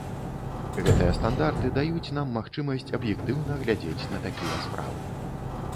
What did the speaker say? Гэтыя стандарты даюць нам магчымасць аб'ектыўна глядзець на такія справы.